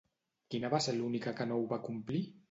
Quina va ser l'única que no ho va complir?